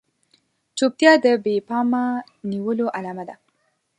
چوپتيا د بې پامه نيولو علامه ده.